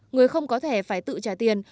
người không có thẻ phải tự trả tiền